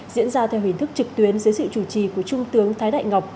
diễn ra theo hình thức trực tuyến dưới sự chủ trì của trung tướng thái đại ngọc